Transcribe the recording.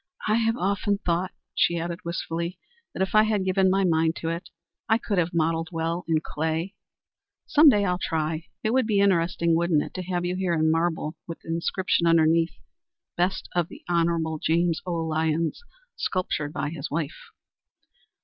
I have often thought," she added, wistfully, "that, if I had given my mind to it, I could have modelled well in clay. Some day I'll try. It would be interesting, wouldn't it, to have you here in marble with the inscription underneath, 'Bust of the Honorable James O. Lyons, sculptured by his wife?'"